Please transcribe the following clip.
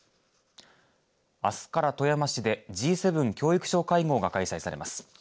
あすから富山市でＧ７教育相会合が開催されます。